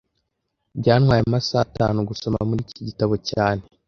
Byantwaye amasaha atanu gusoma muri iki gitabo cyane